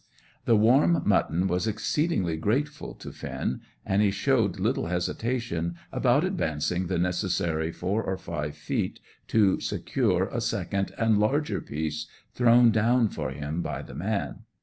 The warm mutton was exceedingly grateful to Finn, and he showed little hesitation about advancing the necessary four or five feet to secure a second and larger piece thrown down for him by the man.